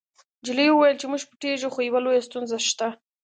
نجلۍ وویل چې موږ پټیږو خو یوه لویه ستونزه شته